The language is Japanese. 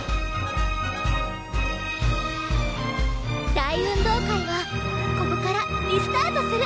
大運動会はここからリスタートする！